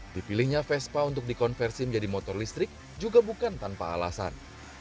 dipilihnya vespa untuk dikonversi menjadi motor listrik juga bukan tanpa alasan